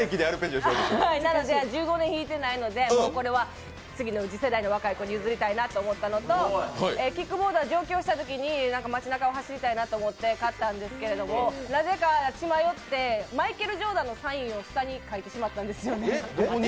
１５年弾いてないので、これは次の次世代の若い子に譲りたいなと思ったのとキックボードは上京したときに街なかを走りたいと思って買ったんですけれどもなぜか血迷ってマイケル・ジョーダンのサインを下に書いてしまったんですよね。